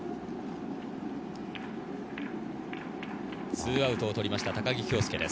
２アウトを取りました高木京介。